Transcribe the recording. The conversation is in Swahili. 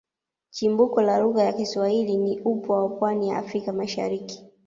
Chimbuko la lugha ya Kiswahili ni upwa wa pwani ya Afrika Mashariki